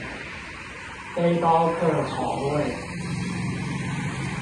背包客床位